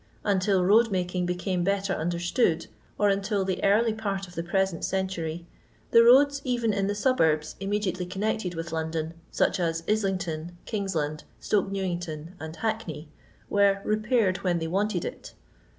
Until road making became better understood, or until the early part of the present century, the roads even in the subarha immediately connected with London, such as Islington, KingsUmd, Stoke Newington, and Hackney, were *' repaired when they wanted it.